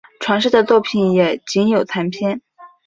传世的作品也仅有残篇。